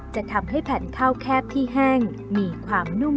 จะทำให้แผ่นข้าวแคบที่แห้งมีความนุ่ม